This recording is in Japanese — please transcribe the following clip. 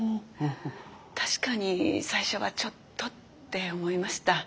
確かに最初はちょっとって思いました。